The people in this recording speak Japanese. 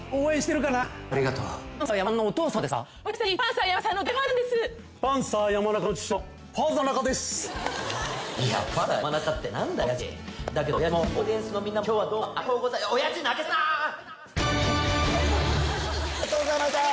まあありがとうございます。